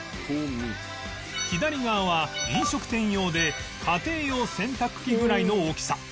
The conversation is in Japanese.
左側は飲食店用で家庭用洗濯機ぐらいの大きさ